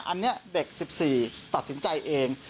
อันนี้เด็ก๑๔ตัดสินใจเอง